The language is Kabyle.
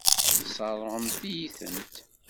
Tesseṛɣem-iyi-tent.